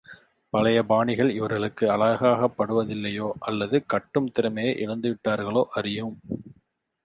பழைய பாணிகள் இவர்களுக்கு அழகாகப்படுவதில்லையோ, அல்லது கட்டும் திறமையை இழந்துவிட்டார்களோ அறியோம்.